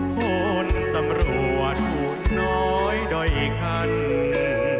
คนตำรวจผู้น้อยด้วยอีกครั้ง